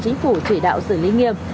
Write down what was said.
chính phủ chỉ đạo xử lý nghiêm